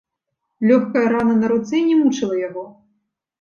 Лёгкая рана на руцэ не мучыла яго.